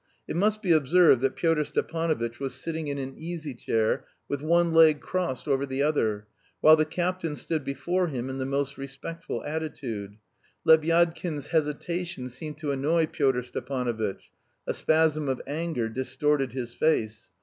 It must be observed that Pyotr Stepanovitch was sitting in an easy chair with one leg crossed over the other, while the captain stood before him in the most respectful attitude. Lebyadkin's hesitation seemed to annoy Pyotr Stepanovitch; a spasm of anger distorted his face.